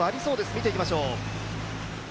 見ていきましょう。